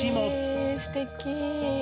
へえすてき。